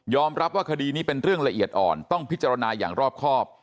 รับว่าคดีนี้เป็นเรื่องละเอียดอ่อนต้องพิจารณาอย่างรอบครอบ